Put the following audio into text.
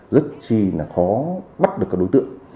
rất chi là khó bắt được các đối tượng